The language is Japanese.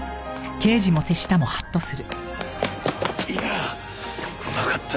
いやあうまかった。